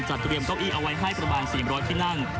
เตรียมเก้าอี้เอาไว้ให้ประมาณ๔๐๐ที่นั่ง